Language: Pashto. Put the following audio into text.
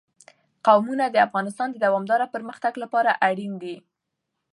قومونه د افغانستان د دوامداره پرمختګ لپاره اړین دي.